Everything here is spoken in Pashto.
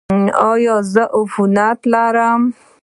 ایا زه عفونت لرم؟